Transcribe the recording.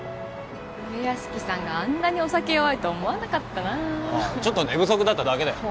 梅屋敷さんがあんなにお酒弱いと思わなかったなちょっと寝不足だっただけだよ